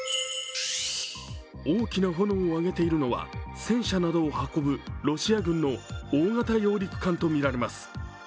大きな炎を上げているのは戦車などを運ぶロシア軍の大型揚陸艦とみられます。